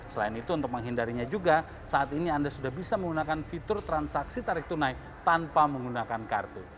selain itu untuk menghindarinya juga saat ini anda sudah bisa menggunakan fitur transaksi tarik tunai tanpa menggunakan kartu